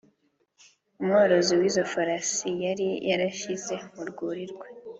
umworozi w’izo farasi yari yarashyize mu rwuri rwe